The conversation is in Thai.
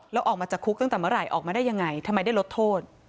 แล้วออกมาจากคุกตั้งแต่เมื่อไหร่ออกมาได้ยังไงทำไมได้ลดโทษ